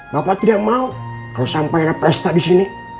bapak tidak mau harus sampai ada pesta disini